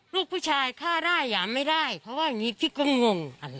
ลูกผู้ชายฆ่าได้ไม่ได้เขาว่าอย่างนี้พี่ก็งง